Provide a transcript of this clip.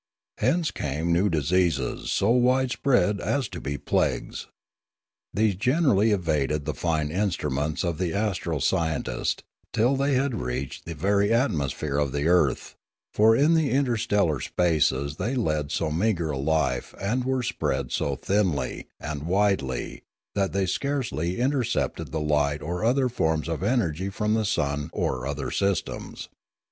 Hence came new diseases so widespread as to be plagues. These generally evaded the fine instru ments of the astro scientist, till they had reached the very atmosphere of the earth; for in the interstellar The Lilaran 191 spaces they led so meagre a life and were spread so thinly and widely that they scarcely intercepted the light or other forms of energy from the sun or other systems.